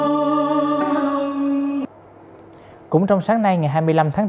em sống trong sáng nay ngày hai mươi năm tháng bốn